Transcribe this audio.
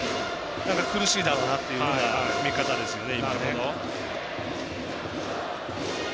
苦しいだろうなというような見方ですよね。